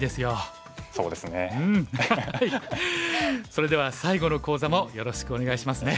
それでは最後の講座もよろしくお願いしますね。